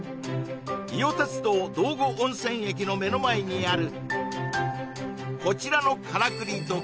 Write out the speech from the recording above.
伊予鉄道道後温泉駅の目の前にあるこちらのカラクリ時計